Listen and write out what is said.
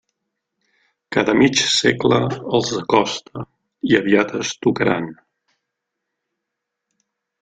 Cada mig segle els acosta, i aviat es tocaran.